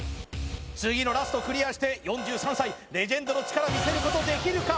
次のラストクリアして４３歳レジェンドの力見せることできるか？